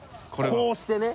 こうしてね。